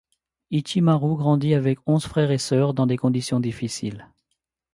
Ichimaru grandit avec onze frères et sœurs dans des conditions difficiles.